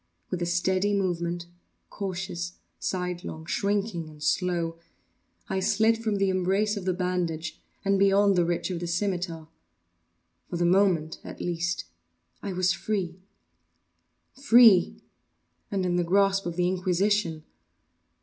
With a steady movement—cautious, sidelong, shrinking, and slow—I slid from the embrace of the bandage and beyond the reach of the scimitar. For the moment, at least, I was free. Free!—and in the grasp of the Inquisition!